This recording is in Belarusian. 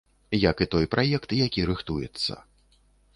Як і той праект, які рыхтуецца.